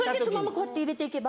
こうやって入れていけば。